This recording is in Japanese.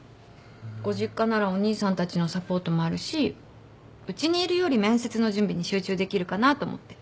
ご実家ならお兄さんたちのサポートもあるしうちにいるより面接の準備に集中できるかなと思って。